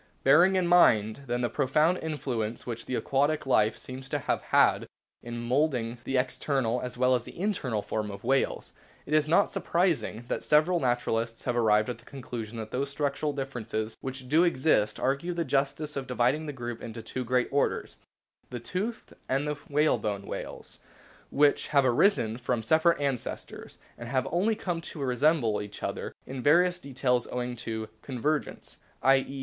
Bearing in mind then the profound influence which the aquatic life seems to have had in moulding the external as well as the internal form of whales, it is not surprising that several naturalists have arrived at the conclusion that those structural differences which do exist argue the justice of dividing the group into two great orders, the toothed and the whalebone whales, which have arisen from separate ancestors, and have only come to resemble each other in various details owing to " convergence," 106 A BOOK OF' WHALES i.e.